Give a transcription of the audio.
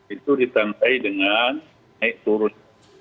itu ditandai dengan naik turun